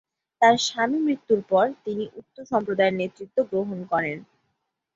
তার স্বামী মৃত্যুর পর, তিনি উক্ত সম্প্রদায়ের নেতৃত্ব গ্রহণ করেন।